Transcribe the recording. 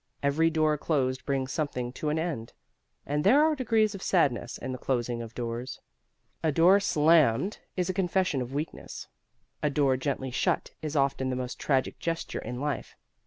Every door closed brings something to an end. And there are degrees of sadness in the closing of doors. A door slammed is a confession of weakness. A door gently shut is often the most tragic gesture in life.